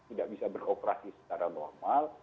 tidak bisa beroperasi secara normal